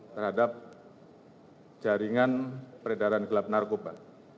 terhadap jaringan peredaran gelap narkoba